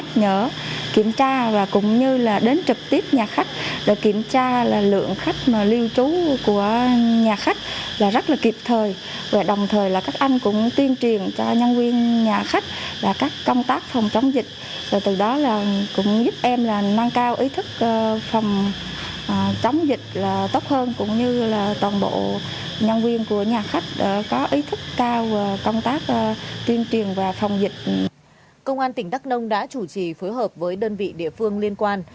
công an tỉnh đắk nông đã chủ trì phối hợp với đơn vị địa phương liên quan